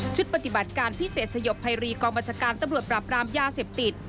ปฏิบัติการพิเศษสยบภัยรีกองบัญชาการตำรวจปราบรามยาเสพติด